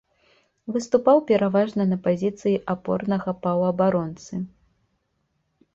Выступаў пераважна на пазіцыі апорнага паўабаронцы.